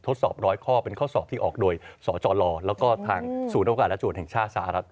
ดสอบร้อยข้อเป็นข้อสอบที่ออกโดยสจแล้วก็ทางศูนย์โอกาสและตรวจแห่งชาติสหรัฐ